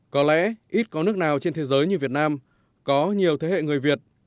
có lẽ ít có nước nào trên thế giới như việt nam có nhiều thế hệ người việt